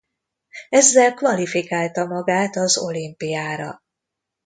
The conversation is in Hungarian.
Ezzel kvalifikálta magát az olimpiára.